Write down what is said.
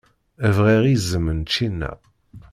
Bɣiɣ iẓem n ččina.